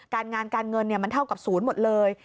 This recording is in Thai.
การงานการเงินมันเท่ากับศูนย์หมดเลย